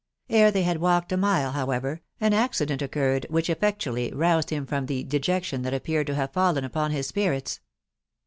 Ere they had walked a mile, however, an accident occurred which effectually roused him from the dejection that appeared to have fallen upon his spirits.